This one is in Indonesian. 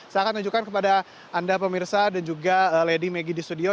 saya akan tunjukkan kepada anda pemirsa dan juga lady maggie di studio